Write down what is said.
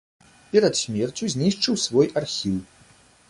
Перад смерцю знішчыў свой архіў.